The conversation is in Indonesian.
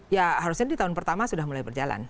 ya harusnya di tahun pertama sudah mulai berjalan